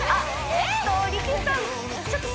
えっと